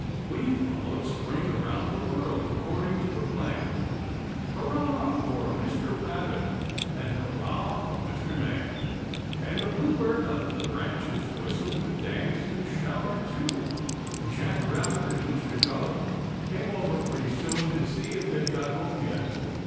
"We've followed Spring around the world, According to the plan! Hurrah for Mr. Rabbit! And hurrah for Mr. Man!" And the bluebird up in the branches whistled and danced and shouted, too; and Jack Rabbit and Mr. Dog came over pretty soon to see if they'd got home yet.